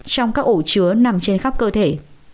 trong các ổ chứa nằm trên khắp cơ thể